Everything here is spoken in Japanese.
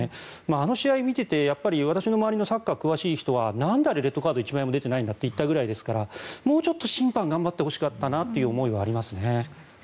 あの試合を見ていて私の周りのサッカー詳しい人はなんであれはレッドカードが１枚も出てないんだって言ったぐらいですからもうちょっと審判に頑張ってほしかったという思いはありますね。